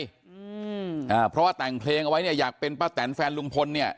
อืมอ่าเพราะว่าแต่งเพลงเอาไว้เนี่ยอยากเป็นป้าแตนแฟนลุงพลเนี่ย